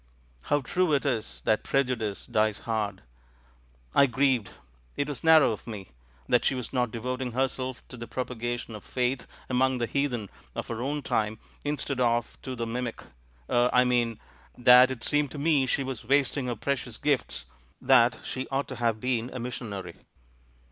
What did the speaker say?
How true it is that preju dice dies hard ! I grieved — it was narrow of me !— that she was not devotipg herself to the propa gation of faith among the heathen of our own time, instead of to the mimic — er — I mean that it seemed to me she was wasting her precious gifts, that she ought to have been a missionary."